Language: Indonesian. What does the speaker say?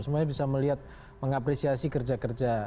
semuanya bisa melihat mengapresiasi kerja kerja